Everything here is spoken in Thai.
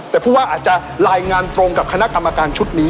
แต่ผู้ว่าอาจจะรายงานตรงกับคณะกรรมการชุดนี้